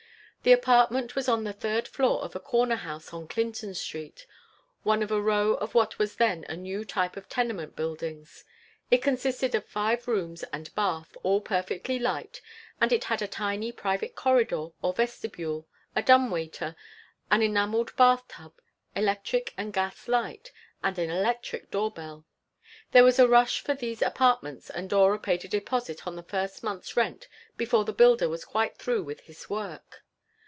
The apartment was on the third floor of a corner house on Clinton Street, one of a row of what was then a new type of tenement buildings. It consisted of five rooms and bath, all perfectly light, and it had a tiny private corridor or vestibule, a dumb waiter, an enameled bath tub, electric and gas light, and an electric door bell. There was a rush for these apartments and Dora paid a deposit on the first month's rent before the builder was quite through with his work.